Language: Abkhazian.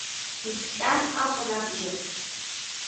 Иҭҟьар акәын абџьар.